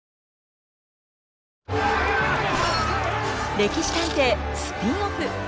「歴史探偵」スピンオフ。